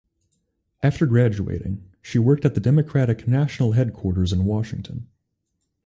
After graduating, she worked at the Democratic National Headquarters in Washington.